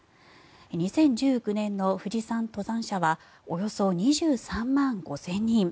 ２０１９年の富士山登山者はおよそ２３万５０００人。